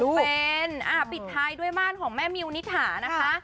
เป็นปิดท้ายด้วยบ้านของแม่มิวนิถานะคะ